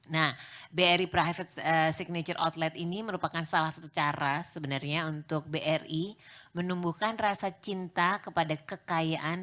nah bri private signature outlet ini merupakan salah satu cara sebenarnya untuk bri menumbuhkan rasa cinta kepada kekayaan